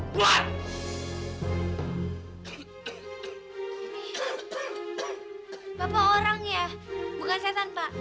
bapak orang ya bukan setan pak